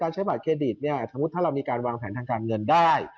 ๑การใช้บัตรเครดิตถ้าเราก็มีการวางแผนทางการเงินได้